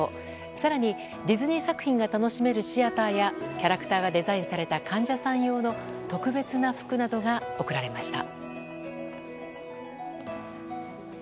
更に、ディズニー作品が楽しめるシアターやキャラクターがデザインされた患者さん用の特別な服などが贈られました。